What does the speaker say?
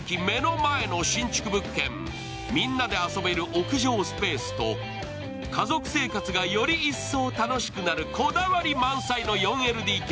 みんなで遊べる屋上スペースと、家族生活がより一層楽しくなるこだわり満載の４ＬＤＫ。